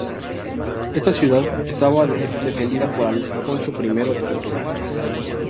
Esta ciudad estaba defendida por Alfonso I de Portugal.